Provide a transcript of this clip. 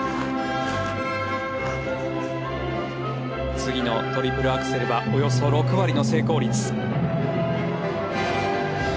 次のトリプルアクセルはおよそ６割の成功率。